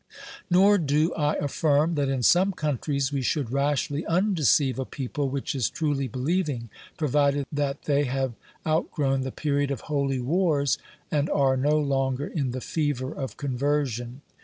Nor do I affirm that in some countries we should rashly undeceive a people which is truly believing, provided that they have outgrown the period of holy wars and are no longer in the fever of conversion.